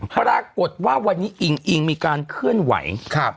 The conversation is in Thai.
ปรากฏว่าวันนี้อิงอิงมีการเคลื่อนไหว